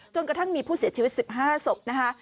กระทั่งมีผู้เสียชีวิต๑๕ศพนะคะ